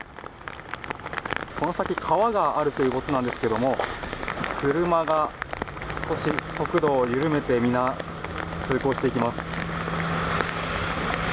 この先、川があるということなんですが車が少し速度を緩めて皆、通行していきます。